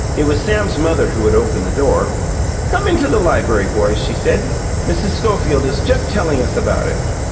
It was Sam's mother who had opened the door. "Come into the library, boys," she said. "Mrs. Schofield is just telling us about it."